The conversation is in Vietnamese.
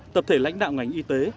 tập thể lãnh đạo ngành y tế